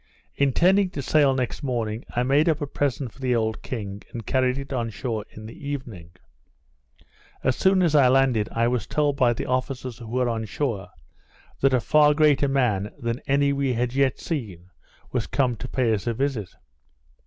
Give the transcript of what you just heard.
Intending to sail next morning, I made up a present for the old king, and carried it on shore in the evening. As soon as I landed, I was told by the officers who were on shore, that a far greater man than any we had yet seen was come to pay us a visit.